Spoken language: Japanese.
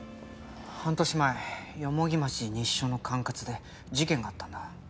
半年前蓬町西署の管轄で事件があったんだ。